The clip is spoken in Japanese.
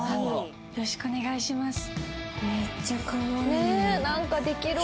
よろしくお願いします。